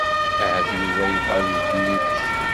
Ahat Yuba yebɣa ad yeddu yid-k.